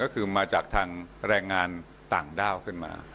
ก็คือมาจากทางแรงงานต่างด้าวขึ้นมา